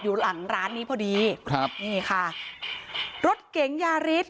อยู่หลังร้านนี้พอดีครับนี่ค่ะรถเก๋งยาริส